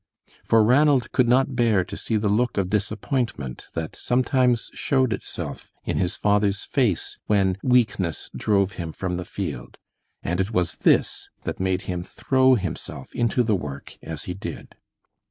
For Ranald could not bear to see the look of disappointment that sometimes showed itself in his father's face when weakness drove him from the field, and it was this that made him throw himself into the work as he did.